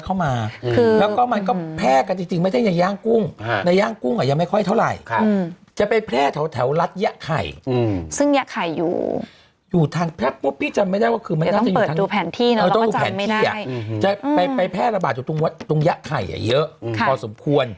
อ๋อต้องอยู่แผ่นที่อ่ะไปแพร่ระบาดจุดตรงยะไข่อ่ะเยอะพอสมควร